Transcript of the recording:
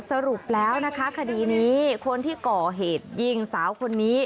สรุปแล้วนะคะคดีนี้คนที่ก่อเหตุยิงสาวคนนี้